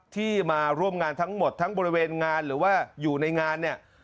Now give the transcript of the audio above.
ที่มาร่วมงานทั้งหมดทั้งบริเวณงานหรือว่าอยู่ในงานเนี่ย